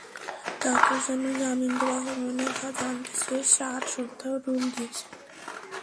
কেন তাঁকে জামিন দেওয়া হবে না—তা জানতে চেয়ে চার সপ্তাহের রুল দিয়েছেন।